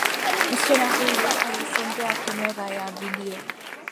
Msichana huyu alisongea kamera ya vidio.